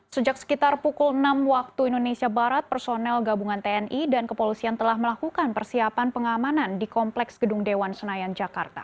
sejak sekitar pukul enam waktu indonesia barat personel gabungan tni dan kepolisian telah melakukan persiapan pengamanan di kompleks gedung dewan senayan jakarta